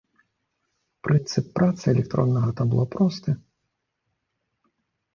Прынцып працы электроннага табло просты.